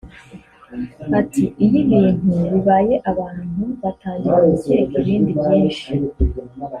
Ati “Iyo ibintu bibaye abantu batangira gukeka ibindi byinshi